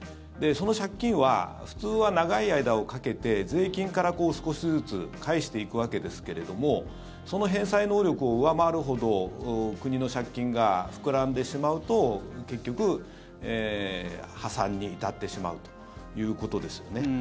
その借金は普通は長い間をかけて税金から少しずつ返していくわけですけれどもその返済能力を上回るほど国の借金が膨らんでしまうと結局、破産に至ってしまうということですよね。